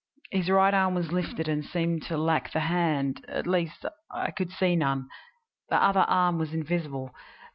His right arm was lifted and seemed to lack the hand at least, I could see none. The other arm was invisible.